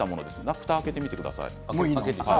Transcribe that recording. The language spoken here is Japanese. ふたを開けてください。